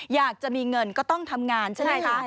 อยากจะมีเงินก็ต้องทำงานใช่ไหมคะ